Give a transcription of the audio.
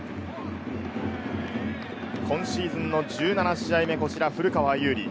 今シーズンの１７試合目、古川侑利。